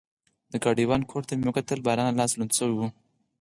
د ګاډیوان کوټ ته مې وکتل، باران له لاسه لوند شوی و.